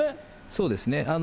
そうですね。